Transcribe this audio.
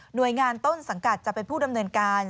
โดยงานต้นสังกัดจะเป็นผู้ดำเนินการ